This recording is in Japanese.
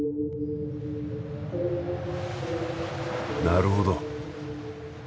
なるほど。